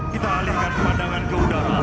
kita alihkan pemandangan ke udara